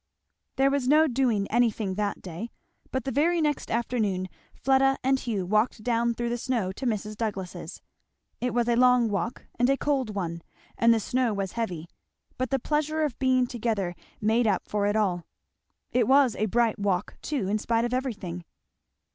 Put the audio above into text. There was no doing anything that day, but the very next afternoon Fleda and Hugh walked down through the snow to Mrs. Douglass's. It was a long walk and a cold one and the snow was heavy; but the pleasure of being together made up for it all. It was a bright walk, too, in spite of everything.